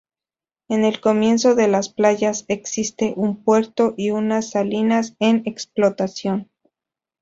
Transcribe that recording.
En el comienzo de las playas existe un puerto y unas salinas en explotación.